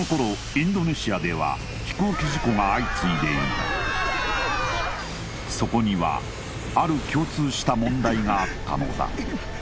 インドネシアでは飛行機事故が相次いでいたそこにはある共通した問題があったのだ